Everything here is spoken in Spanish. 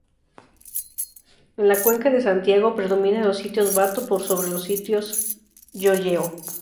En la Cuenca de Santiago predominan los sitios Bato por sobre los sitios Llolleo.